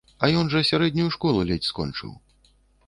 А ён жа сярэднюю школу ледзь скончыў.